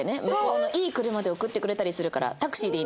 向こうのいい車で送ってくれたりするから。